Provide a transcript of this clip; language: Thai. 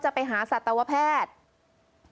ไปหาสัตวแพทย์